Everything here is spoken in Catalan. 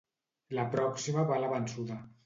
La pròxima va la vençuda.